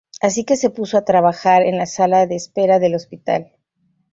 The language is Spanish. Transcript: Así que se puso a trabajar en la sala de espera del hospital.